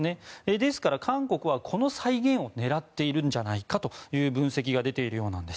ですから、韓国はこの再現を狙っているんじゃないかという分析が出ているようです。